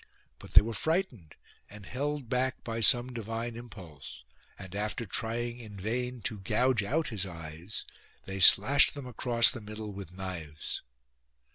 But they were frightened and held back by some divine impulse, and after trying in vain to gouge out his eyes, they slashed them across 88 THE POPE'S APPEAL TO CHARLES the middle with knives.